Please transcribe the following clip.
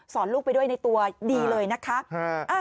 ลูกไปด้วยในตัวดีเลยนะคะ